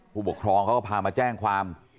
ผู้ปกครองเขาก็พามาแจ้งความ